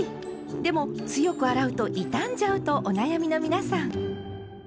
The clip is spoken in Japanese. でも強く洗うと傷んじゃうとお悩みの皆さん。